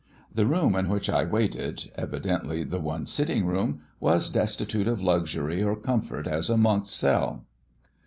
The room in which I waited, evidently the one sitting room, was destitute of luxury or comfort as a monk's cell.